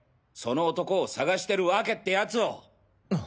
その男を捜してるワケってやつを！